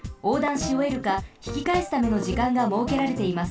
しおえるかひきかえすための時間がもうけられています。